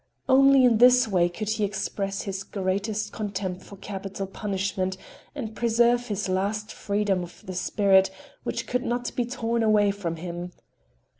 Only in this way could he express his greatest contempt for capital punishment and preserve his last freedom of the spirit which could not be torn away from him.